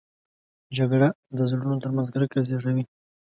جګړه د زړونو تر منځ کرکه زېږوي